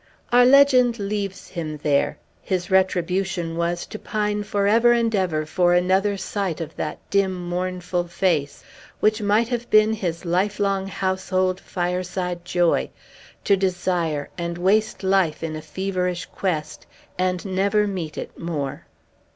Our legend leaves him there. His retribution was, to pine forever and ever for another sight of that dim, mournful face, which might have been his life long household fireside joy, to desire, and waste life in a feverish quest, and never meet it more.